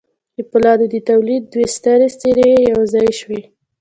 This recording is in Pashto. د پولادو د تولید دوې سترې څېرې یو ځای شوې